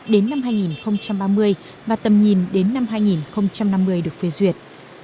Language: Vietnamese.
đến năm hai nghìn ba mươi và tầm nhìn đến năm hai nghìn năm mươi được phê duyệt